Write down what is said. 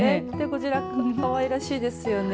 こちら、かわいらしいですよね。